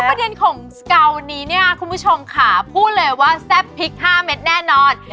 ประเด็นของสเกานี้เนี่ยคุณผู้ชมค่ะพูดเลยว่าแซ่บพริก๕เม็ดแน่นอน